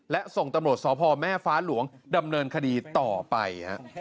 และส่งตำรวจสพแม่ฟ้าหลวงดำเนินคดีต่อไป